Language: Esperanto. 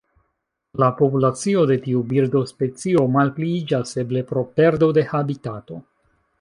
La populacio de tiu birdospecio malpliiĝas, eble pro perdo de habitato.